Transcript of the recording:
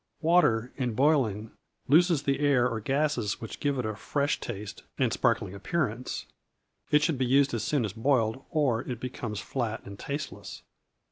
Water, in boiling, loses the air or gases which give it a fresh taste and sparkling appearance. It should be used as soon as boiled, or it becomes flat and tasteless.